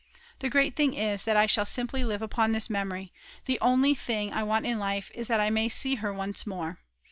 The great thing is that I shall simply live upon this memory, and the only thing I want in life is that I may see her once more.